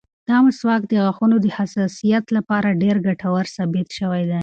دا مسواک د غاښونو د حساسیت لپاره ډېر ګټور ثابت شوی دی.